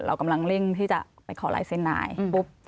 เรากำลังเร่งที่จะไปขอลายเส้นนายปุ๊บ